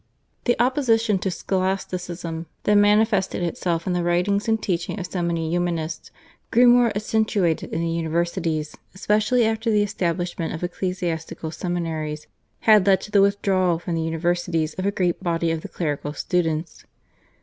The opposition to Scholasticism, that manifested itself in the writings and teaching of so many Humanists, grew more accentuated in the universities, especially after the establishment of ecclesiastical seminaries had led to the withdrawal from the universities of a great body of the clerical students.